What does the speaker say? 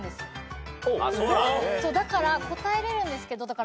だから答えられるんですけど。